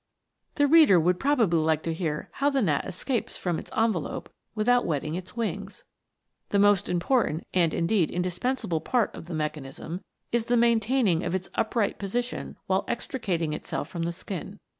The reader would probably like to hear how the gnat escapes from its envelope, without wetting its wings. The most important, and indeed indispen sable part of the mechanism, is the maintaining of its upright position while extricating itself from the skin.